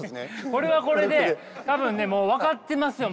これはこれで多分ねもう分かってますよ！